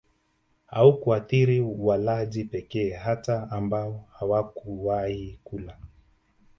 haukuathiri walaji pekee hata ambao hawakuwahi kula